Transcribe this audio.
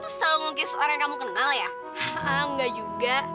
tuh selalu nge kiss orang kamu kenal ya enggak juga